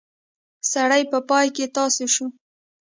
سړی په پای کې تاسی شو.